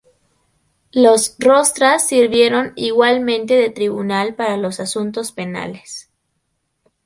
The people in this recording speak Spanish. Los "Rostra" sirvieron igualmente de tribunal para los asuntos penales.